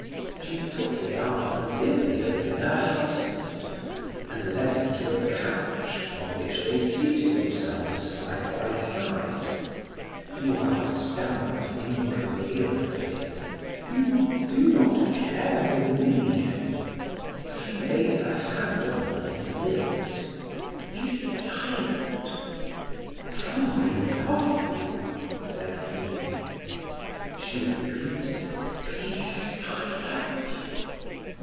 She took his arm as if he had been her husband, and led him to a couch, upon which they seated themselves side by side. Duroy stammered, incoherently: "You do not care for me." She laid her hand upon his lips. "Be silent!" "How I love you!" said he. She repeated: "Be silent!"